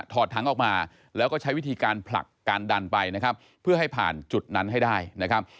ถังออกมาแล้วก็ใช้วิธีการผลักการดันไปนะครับเพื่อให้ผ่านจุดนั้นให้ได้นะครับ